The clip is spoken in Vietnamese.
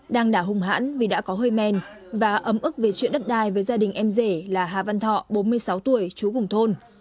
đang đả hung hãn vì đã có hơi men và ấm ức về chuyện đất đai với gia đình em rể là hà văn thọ bốn mươi sáu tuổi chú cùng thôn